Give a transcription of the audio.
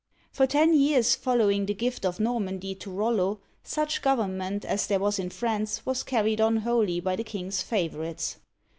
i For ten years following the gift of Normandy to Rollo, such government as there was in France was carried on wholly by the king's favorites.